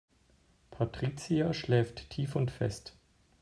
Patricia schläft tief und fest.